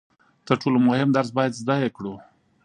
تر ټولو مهم درس باید زده یې کړو.